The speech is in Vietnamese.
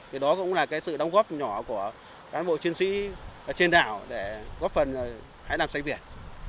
thì đó cũng là cái sự đóng góp nhỏ của cán bộ chiến sĩ trên đảo để góp phần hãy làm sạch biển